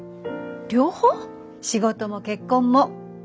仕事も結婚も。